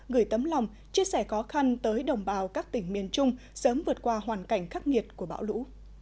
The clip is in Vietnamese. gửi tấm lòng chia sẻ khó khăn tới đồng bào các tỉnh miền trung sớm vượt qua hoàn cảnh khắc nghiệt của bão lũ